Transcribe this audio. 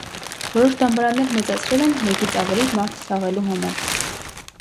Որոշ դամբարաններ մեծացրել են՝ մեկից ավելի մարդ թաղելու համար։